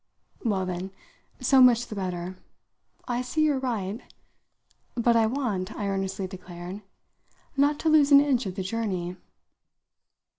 Well, then, so much the better I see you're right. But I want," I earnestly declared, "not to lose an inch of the journey."